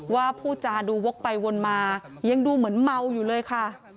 พูดจาดูวกไปวนมายังดูเหมือนเมาอยู่เลยค่ะ